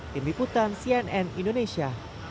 tim liputan cnn indonesia